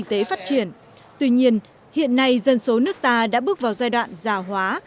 tuy nhiên hiện nay dân số nước ta đã bước vào giai đoạn già hóa